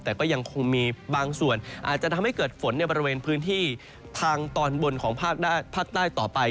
แต่ก็ยังคงมีบางส่วนอาจจะทำให้เกิดฝนในบริเวณพื้นที่ทางตอนบนของภาคใต้ต่อไป